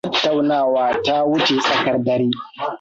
Tattaunawa ta wuce tsakar dare.